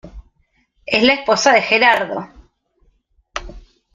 Es la esposa de Gerardo.